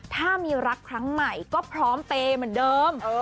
ถ้ามีรักครั้งใหม่ก็พร้อมเปย์เหมือนเดิม